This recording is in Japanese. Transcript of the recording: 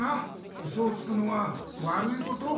ウソをつくのはわるいこと？